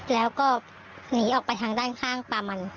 แล้วก็หนีออกไปทางด้านข้างปลามัน